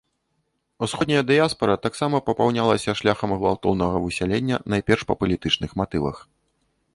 Усходняя дыяспара таксама папаўнялася шляхам гвалтоўнага высялення найперш па палітычных матывах.